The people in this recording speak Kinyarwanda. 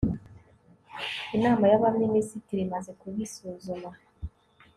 Inama y Abaminisitiri imaze kubisuzuma